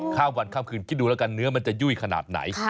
ข้ามวันข้ามคืนคิดดูแล้วกันเนื้อมันจะยุ่ยขนาดไหน